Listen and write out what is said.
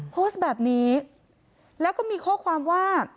โพสต์แบบนี้แล้วก็มีว่า